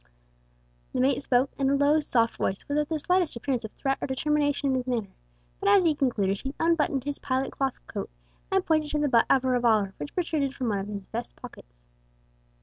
The mate spoke in a low, soft voice, without the slightest appearance of threat or determination in his manner, but as he concluded he unbuttoned his pilot cloth coat and pointed to the butt of a revolver which protruded from one of his vest pockets.